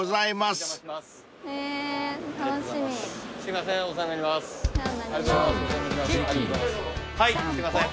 すいません